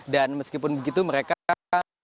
dan meskipun begitu mereka tidak akan melakukan ibadah wajib